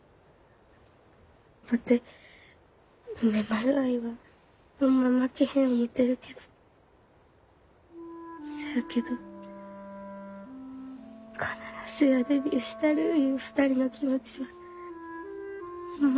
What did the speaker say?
ワテ梅丸愛はホンマ負けへん思てるけどせやけど必ずやデビューしたるいう２人の気持ちはホンマ